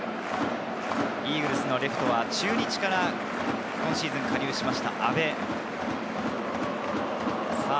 イーグルスのレフトは中日から今シーズン加入しました、阿部。